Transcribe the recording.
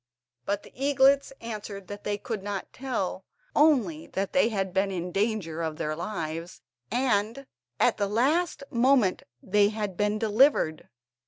But the eaglets answered that they could not tell, only that they had been in danger of their lives, and at the last moment they had been delivered.